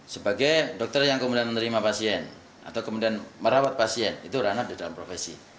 sebagai dokter yang kemudian menerima pasien atau kemudian merawat pasien itu ranah di dalam profesi